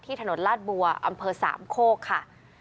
ที่ถนนลาดบัวอำเภอ๓โคกค่ะ